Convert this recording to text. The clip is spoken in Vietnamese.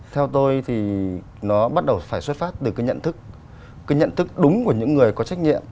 theo tôi thì nó bắt đầu phải xuất phát từ cái nhận thức cái nhận thức đúng của những người có trách nhiệm